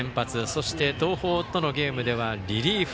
そして東邦とのゲームではリリーフ。